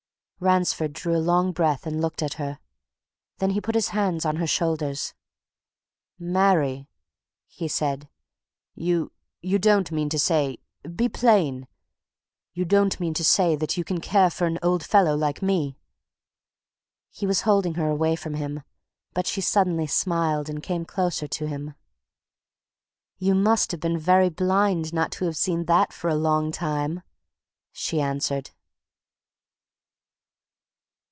Ransford drew a long breath and looked at her. Then he put his hands on her shoulders. "Mary!" he said. "You you don't mean to say be plain! you don't mean that you can care for an old fellow like me?" He was holding her away from him, but she suddenly smiled and came closer to him. "You must have been very blind not to have seen that for a long time!" she answered.